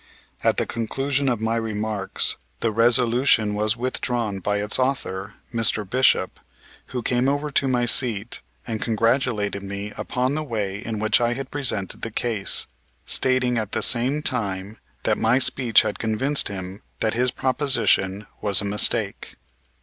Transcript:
At the conclusion of my remarks the resolution was withdrawn by its author, Mr. Bishop, who came over to my seat, and congratulated me upon the way in which I had presented the case; stating at the same time that my speech had convinced him that his proposition was a mistake.